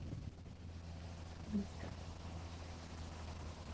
Singl byl publikován pouze v Japonsku.